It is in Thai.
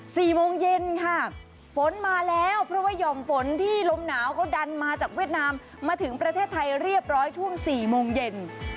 สี่โมงเย็นค่ะฝนมาแล้วเพราะว่าหย่อมฝนที่ลมหนาวเขาดันมาจากเวียดนามมาถึงประเทศไทยเรียบร้อยช่วงสี่โมงเย็น